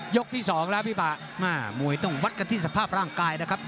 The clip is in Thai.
ที่สองแล้วพี่ป่ามามวยต้องวัดกันที่สภาพร่างกายนะครับ